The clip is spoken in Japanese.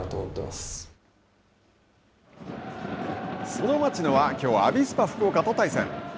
その町野、きょう、アビスパ福岡と対戦。